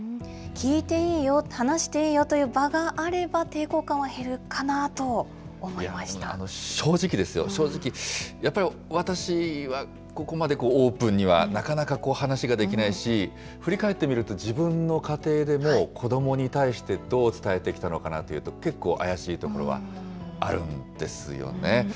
聞いていいよ、話していいよという場があれば、正直ですよ、正直、やっぱり私はここまでオープンには、なかなか話ができないし、振り返ってみても、自分の家庭でも、子どもに対してどう伝えてきたのかなというのは、結構、怪しいところはあるんですよね。